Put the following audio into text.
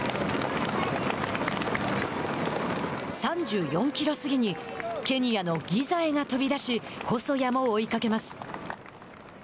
３４キロ過ぎにケニアのギザエが飛び出し細谷も追いかけます。